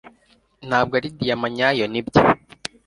ntabwo ari diyama nyayo, nibyo